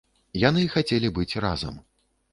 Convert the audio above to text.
Яны хацелі быць разам.